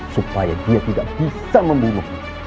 supaya dia tidak bisa membunuh